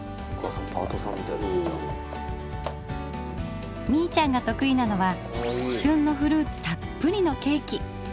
みいちゃんが得意なのは旬のフルーツたっぷりのケーキ。